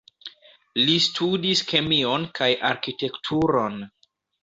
Li studis kemion kaj arkitekturon.